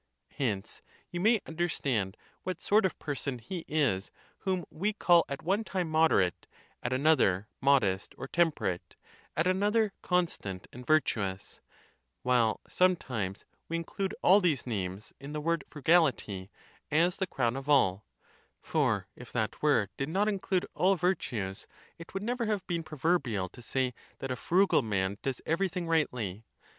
Hence you may understand what sort of person he is whom we call at one time moderate, at another mod est or temperate, at another constant and virtuous; while sometimes we include all these names in the word frugal ity, as the crown of all; for if that word did not include all virtues, it would never have. been proverbial to say that a frugal man does everything rightly.